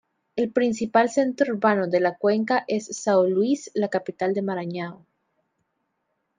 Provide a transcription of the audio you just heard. El principal centro urbano de la cuenca es São Luis, la capital de Maranhão.